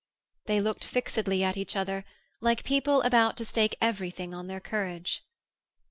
They looked fixedly at each other, like people about to stake everything on their courage.